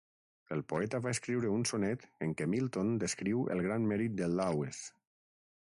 El poeta va escriure un sonet en què Milton descriu el gran mèrit de Lawes.